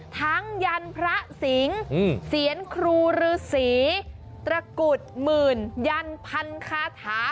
ทั้งยันพระสิงห์เสียนครูรือศีตะกรุดหมื่นยันผันคาถา